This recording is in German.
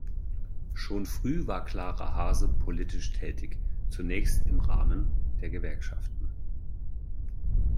Schon früh war Klara Haase politisch tätig, zunächst im Rahmen der Gewerkschaften.